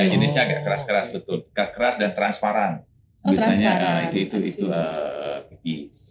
iya jenisnya agak keras keras betul keras keras dan transparan oh transparan biasanya itu pp